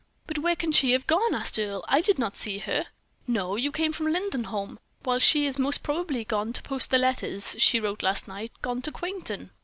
"But where can she have gone?" asked Earle. "I did not see her." "No; you came from Lindenholm, while she is most probably gone to post the letters she wrote last night; gone to Quainton."